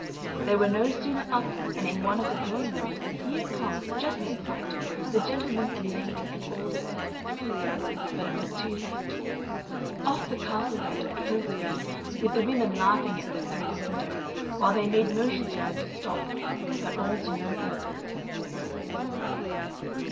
They were no sooner up and in one of the drawing rooms than here comes just in sight the gentleman and lady and all the servants; but it was too late. Off the castle went at full speed, with the women laughing at them through the window, while they made motions for them to stop, but all to no purpose.